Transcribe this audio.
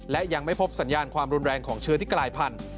และยังไม่พบสัญญาณความรุนแรงของเชื้อที่กลายพันธุ